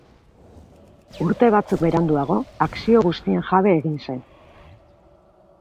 Urte batzuk beranduago akzio guztien jabe egin zen.